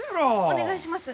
お願いします！